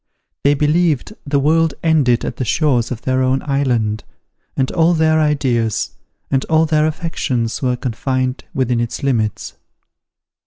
They believed the world ended at the shores of their own island, and all their ideas and all their affections were confined within its limits.